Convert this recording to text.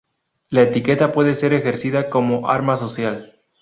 La etiqueta puede ser ejercida como arma social.